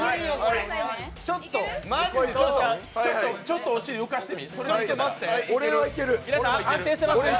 ちょっと、お尻浮かせてみ。